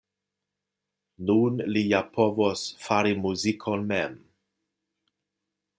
Nun li ja povos fari muzikon mem.